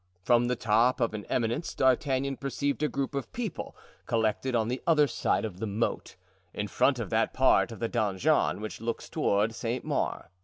From the top of an eminence D'Artagnan perceived a group of people collected on the other side of the moat, in front of that part of the donjon which looks toward Saint Maur.